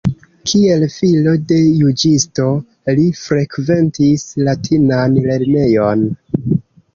Kiel filo de juĝisto li frekventis latinan lernejon.